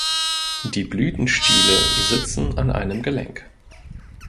Die Blütenstiele sitzen an einem „Gelenk“.